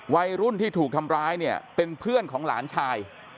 วัยรุ่นที่ถูกทำร้ายเนี่ยเป็นเพื่อนของหลานชาย